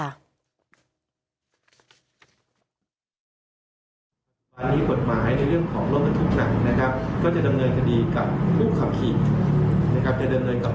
วันนี้กฎหมายในเรื่องของรถประทบหนักนะครับก็จะดำเนินคดีกับผู้ขับขีดนะครับ